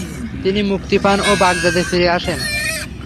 তিনি মুক্তি পান ও বাগদাদে ফিরে আসেন।